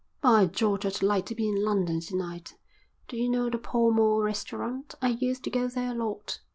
"By George, I'd like to be in London to night. Do you know the Pall Mall restaurant? I used to go there a lot.